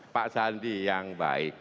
pak sandi yang baik